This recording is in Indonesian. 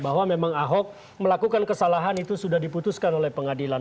bahwa memang ahok melakukan kesalahan itu sudah diputuskan oleh pengadilan